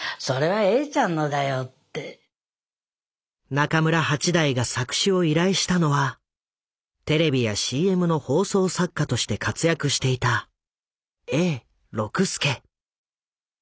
中村八大が作詞を依頼したのはテレビやＣＭの放送作家として活躍していた永六輔。